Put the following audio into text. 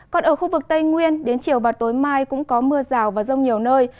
còn ở khu vực tây nguyên đến chiều và tối mai cũng có mưa rào và rông nhiều nơi